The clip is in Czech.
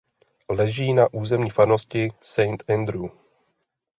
Leží na území farnosti Saint Andrew.